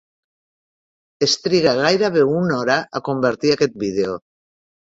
Es triga gairebé una hora a convertir aquest vídeo.